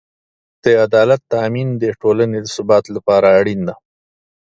د عدالت تأمین د ټولنې د ثبات لپاره اړین دی.